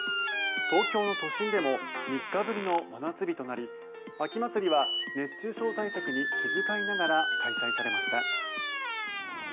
東京の都心でも３日ぶりの真夏日となり秋祭りは熱中症対策に気遣いながら開催されました。